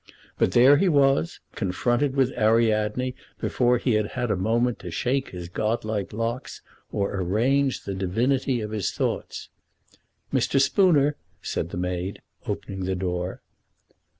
But there he was, confronted with Ariadne before he had had a moment to shake his godlike locks or arrange the divinity of his thoughts. "Mr. Spooner," said the maid, opening the door.